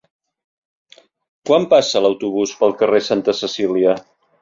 Quan passa l'autobús pel carrer Santa Cecília?